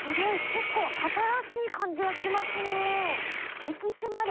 結構新しい感じがしますね。